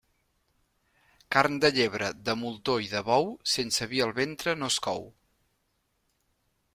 Carn de llebre, de moltó i de bou, sense vi al ventre no es cou.